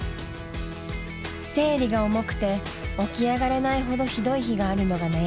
生理が重くて起き上がれないほどひどい日があるのが悩み。